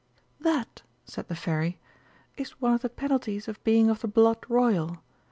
"That," said the Fairy, "is one of the penalties of being of the blood Royal.